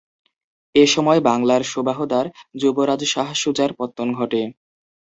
এ সময় বাংলার সুবাহদার যুবরাজ শাহ সুজার পতন ঘটে।